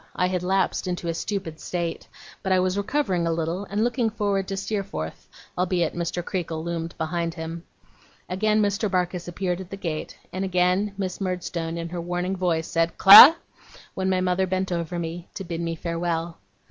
I had lapsed into a stupid state; but I was recovering a little and looking forward to Steerforth, albeit Mr. Creakle loomed behind him. Again Mr. Barkis appeared at the gate, and again Miss Murdstone in her warning voice, said: 'Clara!' when my mother bent over me, to bid me farewell.